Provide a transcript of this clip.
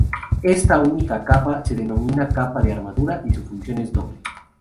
Esta única capa se denomina capa de armadura y su función es doble.